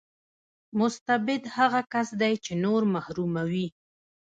مستبد هغه کس دی چې نور محروموي.